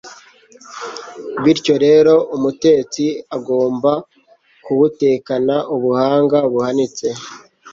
bityo rero umutetsi agomba kuwutekana ubuhanga buhanitse.